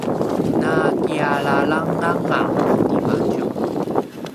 nakialalanganga timadju